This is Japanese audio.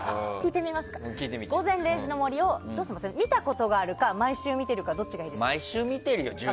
「午前０時の森」を見たことがあるか毎週見てるかどっちがいいですか？